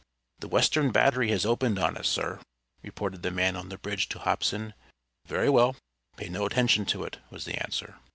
"The western battery has opened on us, sir!" reported the man on the bridge to Hobson. "Very well; pay no attention to it," was the answer.